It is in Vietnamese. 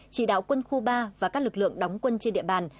chỉ đạo quân khu ba và các lực lượng đóng quân trên địa bàn